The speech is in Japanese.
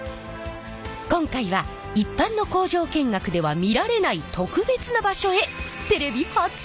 今回は一般の工場見学では見られない特別な場所へテレビ初潜入！